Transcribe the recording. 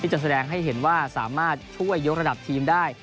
จะแสดงให้เห็นว่าสามารถช่วยยกระดับทีมได้